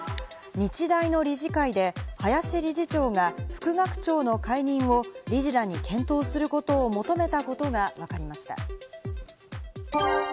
日大の理事会で、林理事長が副学長の解任を理事らに検討することを求めたことがわかりました。